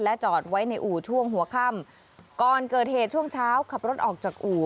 จอดไว้ในอู่ช่วงหัวค่ำก่อนเกิดเหตุช่วงเช้าขับรถออกจากอู่